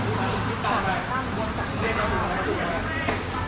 ไม่พักอย่าเอาใจ